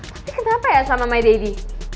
tapi kenapa ya sama my dedy